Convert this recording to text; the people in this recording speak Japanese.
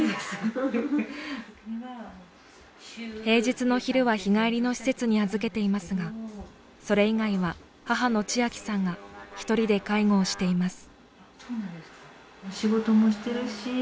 平日の昼は日帰りの施設に預けていますがそれ以外は母の千晶さんが１人で介護をしています。